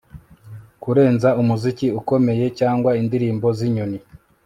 kurenza umuziki ukomeye cyangwa indirimbo zinyoni